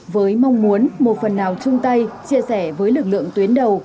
với mong muốn một phần nào chung tay chia sẻ với lực lượng tuyến đầu